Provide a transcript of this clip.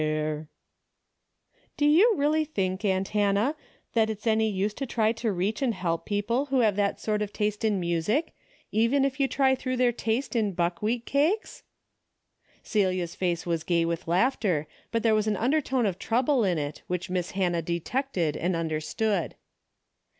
174 A DAILY RATEy " Do you really think, aunt Hannah, that it's any use to try to reach and help people who have that sort of taste in music, even if you try through their taste in buckwheat cakes ?" Celia's face was gay with laughter, but there was an undertone of trouble in it which Miss Hannah detected and understood.